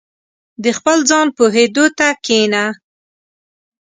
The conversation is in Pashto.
• د خپل ځان پوهېدو ته کښېنه.